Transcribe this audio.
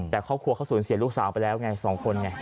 แต่ครอบครัวเขาสูญเสียลูกสาวไปแล้วไง๒คนไง